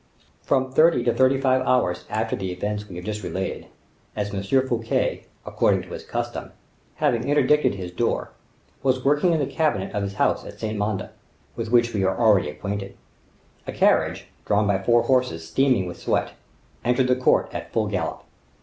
From thirty to thirty five hours after the events we have just related, as M. Fouquet, according to his custom, having interdicted his door, was working in the cabinet of his house at Saint Mande, with which we are already acquainted, a carriage, drawn by four horses steaming with sweat, entered the court at full gallop.